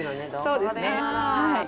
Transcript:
そうですねはい。